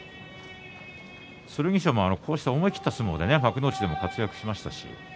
剣翔も、こうした思い切った相撲で幕内でも活躍しましたし。